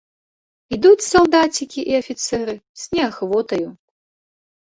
Ідуць салдацікі і афіцэры з неахвотаю.